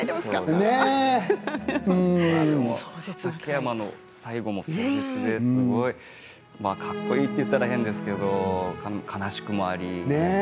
畠山の回も壮絶でかっこいいって言ったら変ですけど悲しくもあり。